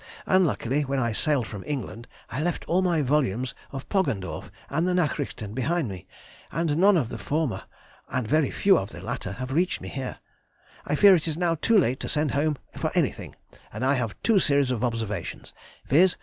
Unluckily when I sailed from England I left all my volumes of Poggendorff and the Nachrichten behind me, and none of the former and very few of the latter have reached me here. I fear it is now too late to send home for anything, and I have two series of observations, viz.